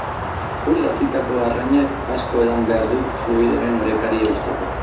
Ur gazitako arrainak asko edan behar du fluidoen orekari eusteko.